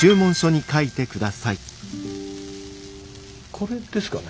これですかね？